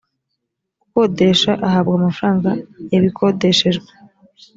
ukodesha ahabwa amafaranga yabikodeshejwe.